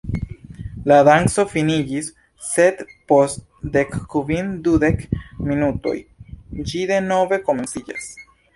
La danco finiĝis, sed post dekkvin-dudek minutoj ĝi denove komenciĝas.